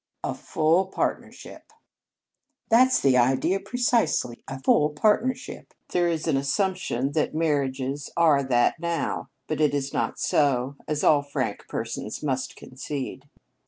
"A full partnership!" "That's the idea, precisely: a full partnership. There is an assumption that marriages are that now, but it is not so, as all frank persons must concede."